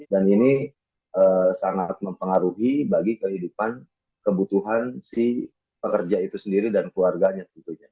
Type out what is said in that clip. dan ini sangat mempengaruhi bagi kehidupan kebutuhan si pekerja itu sendiri dan keluarganya